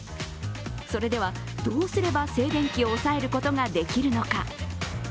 それでは、どうすれば静電気を抑えることができるのか。